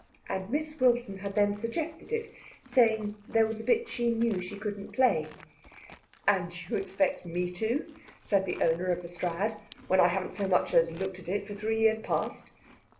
And Miss Wilson had then suggested it, saying there was a bit she knew she couldn't play. "And you expect me to!" said the owner of the Strad, "when I haven't so much as looked at it for three years past."